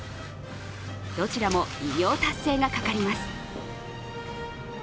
どちらも偉業達成がかかります。